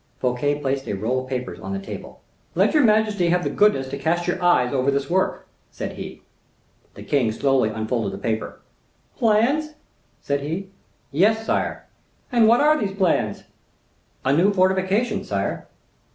Fouquet placed a roll of papers on the table. "Let your majesty have the goodness to cast your eyes over this work," said he. The king slowly unfolded the paper. "Plans?" said he. "Yes, sire." "And what are these plans?" "A new fortification, sire."